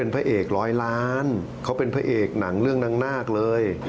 พระเอกร้อยล้านเขาเป็นพระเอกหนังเรื่องนางนาคเลย